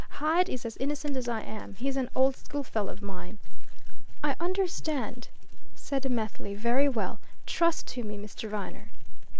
Hyde is as innocent as I am he's an old schoolfellow of mine." "I understand," said Methley. "Very well, trust to me, Mr. Viner."